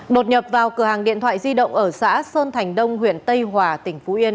đột nhập vào cửa hàng điện thoại di động ở xã sơn thành đông huyện tây hòa tỉnh phú yên